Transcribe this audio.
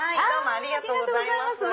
ありがとうございます！